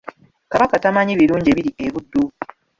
Kabaka tamanyi birungi ebiri e Buddu.